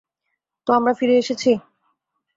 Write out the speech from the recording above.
তো, আমরা ফিরে এসেছি?